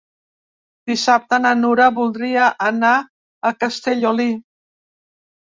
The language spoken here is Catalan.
Dissabte na Nura voldria anar a Castellolí.